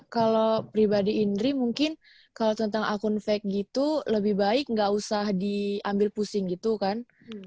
kalau pribadi indri mungkin kalau tentang akun fake gitu lebih baik nggak usah diambil pusing gitu kan